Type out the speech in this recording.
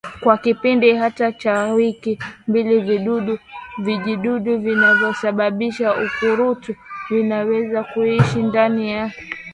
Kwa kipindi hata cha wiki mbili vijidudu vinavyosababisa ukurutu vinaweza kuishi ndani ya mnyama